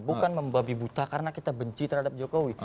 bukan membabi buta karena kita benci terhadap jokowi